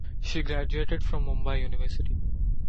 She graduated from Mumbai University.